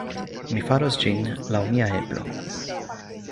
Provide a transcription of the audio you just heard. Mi faros ĝin laŭ mia eblo.